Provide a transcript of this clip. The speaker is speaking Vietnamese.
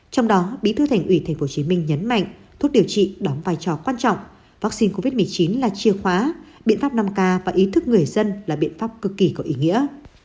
trong đó bí thư thành ủy tp hcm nhấn mạnh thuốc điều trị đóng vai trò quan trọng vaccine covid một mươi chín là chìa khóa biện pháp năm k và ý thức người dân là biện pháp cực kỳ có ý nghĩa